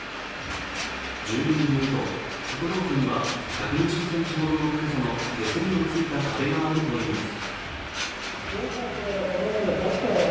住民によると、外廊下には１２０ｃｍほどの高さの手すりのついた壁があるといいます。